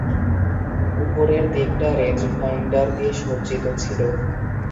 উপরের দিকটা রেঞ্জফাইন্ডার দিয়ে সজ্জিত ছিল।